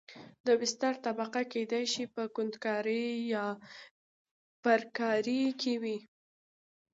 د بستر طبقه کېدای شي په کندنکارۍ یا پرکارۍ کې وي